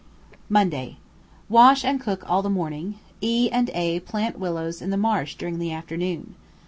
Monday. Wash and cook all the morning; E and A plant willows in the marsh during the afternoon.